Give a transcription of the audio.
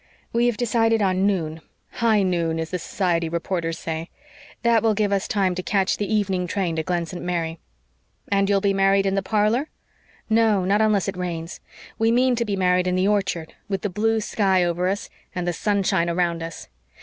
"We have decided on noon high noon, as the society reporters say. That will give us time to catch the evening train to Glen St. Mary." "And you'll be married in the parlor?" "No not unless it rains. We mean to be married in the orchard with the blue sky over us and the sunshine around us.